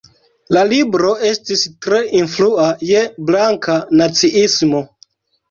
La libro estis tre influa je blanka naciismo.